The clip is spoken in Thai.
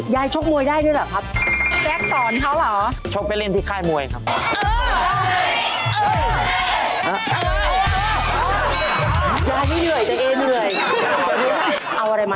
ยายชกมวยได้ด้วยเหรอครับ